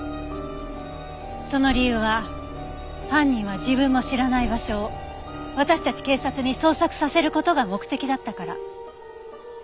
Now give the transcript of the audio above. その理由は犯人は自分も知らない場所を私たち警察に捜索させる事が目的だったから。